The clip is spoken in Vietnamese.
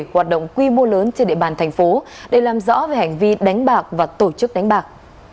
hoạt động quy mô lớn trên địa bàn thành phố để làm rõ về hành vi đánh bạc và tổ chức đánh bạc